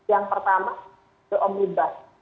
yang pertama ke omnibus